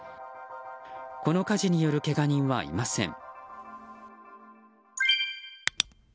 この火事によるけが人はいません。